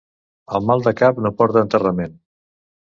El mal de cap no porta enterrament.